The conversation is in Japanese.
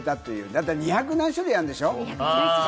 だって２００何種類あるんでしょ？